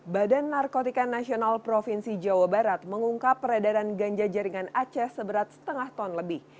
badan narkotika nasional provinsi jawa barat mengungkap peredaran ganja jaringan aceh seberat setengah ton lebih